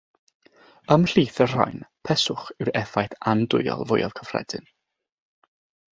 Ymhlith y rhain, peswch yw'r effaith andwyol fwyaf cyffredin.